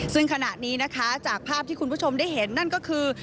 ซึ่งขณะนี้นะคะจากภาพที่คุณผู้ชมได้เห็นนั่นก็คือ